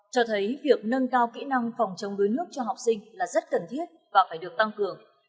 cho thấy việc nâng cao kỹ năng phòng chống đuối nước cho học sinh là rất cần thiết và phải được tăng cường